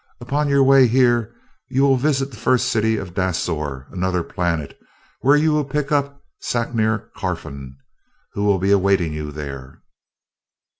Upon your way here you will visit the First City of Dasor, another planet, where you will pick up Sacner Carfon, who will be awaiting you there."